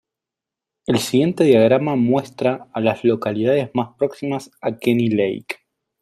El siguiente diagrama muestra a las localidades más próximas a Kenny Lake.